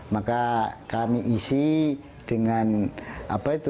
maka kami isi dengan apa itu